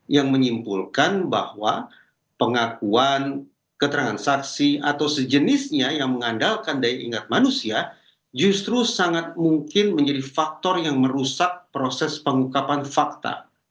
yang menyimpulkan bahwa pengakuan keterangan saksi atau sejenisnya yang mengandalkan daya ingat manusia justru sangat mungkin menjadi faktor yang merusak proses pengungkapan fakta